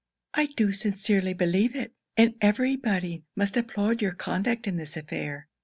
'I do sincerely believe it; and every body must applaud your conduct in this affair.